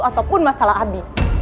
ataupun masalah abi